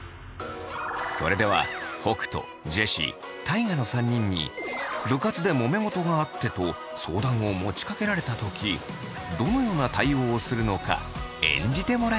それでは北斗ジェシー大我の３人に部活でもめ事があってと相談を持ちかけられた時どのような対応をするのか演じてもらいます。